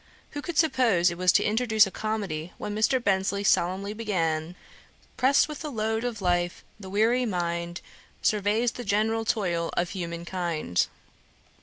Who could suppose it was to introduce a comedy, when Mr. Bensley solemnly began, 'Press'd with the load of life, the weary mind Surveys the general toil of human kind.'